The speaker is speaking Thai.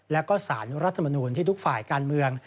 แล้วก็สารรัฐมนูลที่ทุกฝ่ายการเมือง